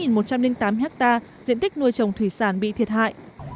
một mươi sáu một trăm linh tám hectare diện tích nuôi trồng thủy sản bị thiệt hại